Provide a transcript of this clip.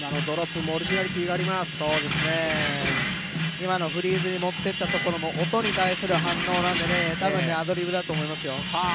今のフリーズに持っていったところも音に対する反応なので多分アドリブだと思いますよ。